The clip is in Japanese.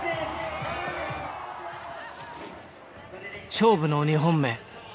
勝負の２本目。